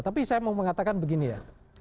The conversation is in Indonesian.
tapi saya mau mengatakan begini ya